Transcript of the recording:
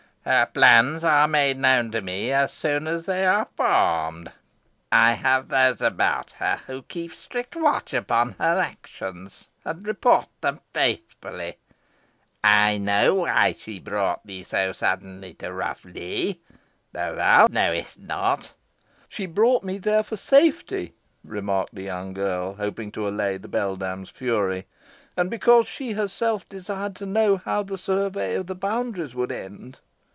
"Her plans are made known to me as soon as formed. I have those about her who keep strict watch upon her actions, and report them faithfully. I know why she brought thee so suddenly to Rough Lee, though thou know'st it not." "She brought me there for safety," remarked the young girl, hoping to allay the beldame's fury, "and because she herself desired to know how the survey of the boundaries would end."